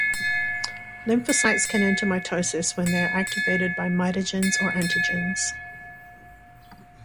Lymphocytes can enter mitosis when they are activated by mitogens or antigens.